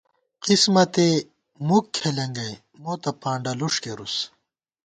قسمَتے مُک کھېلېنگَئ، مو تہ پانڈہ لُݭ کېرُس